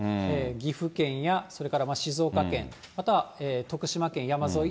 岐阜県やそれから静岡県、または徳島県山沿い